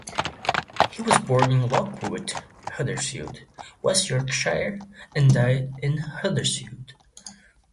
He was born in Lockwood, Huddersfield, West Yorkshire, and died in Huddersfield.